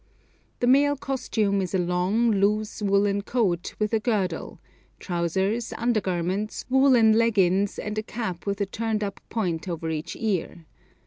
The male costume is a long, loose, woollen coat with a girdle, trousers, under garments, woollen leggings, and a cap with a turned up point over each ear.